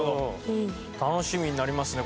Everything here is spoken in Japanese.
楽しみになりますね